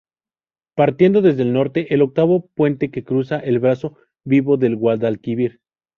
Partiendo desde el norte, el octavo puente que cruza el brazo vivo del Guadalquivir.